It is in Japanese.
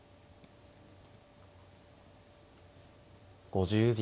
５０秒。